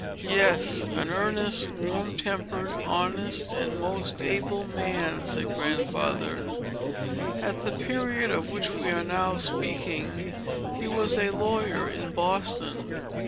"Yes; an earnest, warm tempered, honest, and most able man," said Grandfather. "At the period of which we are now speaking, he was a lawyer in Boston.